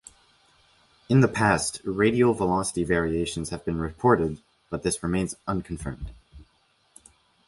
In the past, radial velocity variations have been reported, but this remains unconfirmed.